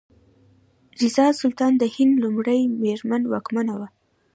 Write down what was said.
رضیا سلطانه د هند لومړۍ میرمن واکمنه وه.